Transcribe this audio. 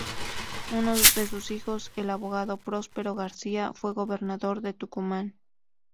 Uno de sus hijos, el abogado Próspero García, fue gobernador de Tucumán.